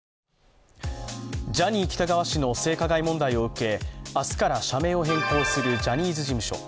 ジャニー喜多川氏の性加害問題を受け明日から社名を変更するジャニーズ事務所。